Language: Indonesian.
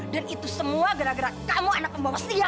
dan itu semua gara gara kamu anak pembawa siang